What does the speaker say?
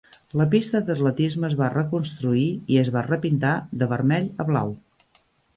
La pista d'atletisme es va reconstruir i es va repintar de vermell a blau.